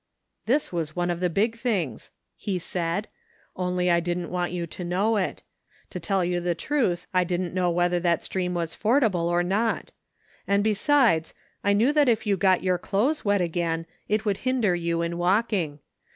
" This was one of the big things," he said, " only I didn't want you to know it. To tell you the truth, I didn't know whether that stream was f ordable or not ; and, besides, I knew that if you got your clothes wet again it would hinder you in walking.